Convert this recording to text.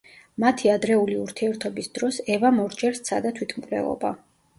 მათი ადრეული ურთიერთობის დროს ევამ ორჯერ სცადა თვითმკვლელობა.